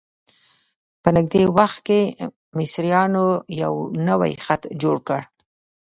په نږدې وخت کې مصریانو یو نوی خط جوړ کړ.